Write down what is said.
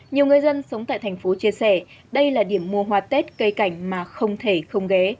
nhiều người dân sống tại thành phố chia sẻ đây là điểm mua hoa tết cây cảnh mà không thể không ghé